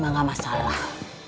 mah gak masalah